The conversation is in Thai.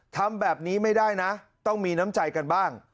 ทำแบบนี้ไม่ได้นะต้องมีน้ำใจกันบ้าง